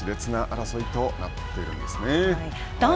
しれつな争いとなっているんですね。